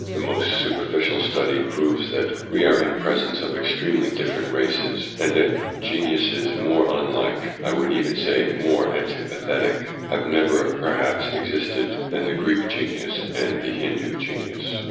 The most superficial study proves that we are in presence of extremely different races, and that geniuses more unlike I would even say more anti pathetic have never perhaps existed than the Greek genius and the Hindu genius.